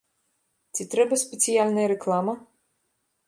Ці трэба спецыяльная рэклама?